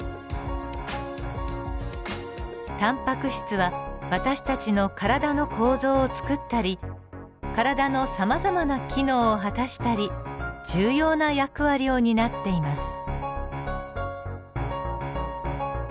タンパク質は私たちの体の構造をつくったり体のさまざまな機能を果たしたり重要な役割を担っています。